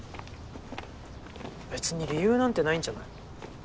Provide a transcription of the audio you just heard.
別に理由なんてないんじゃない？